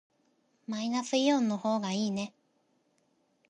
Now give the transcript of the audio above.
マイナスイオンの方がいいね。